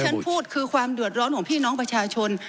ฉันพูดคือความเดือดร้อนของพี่น้องประชาชน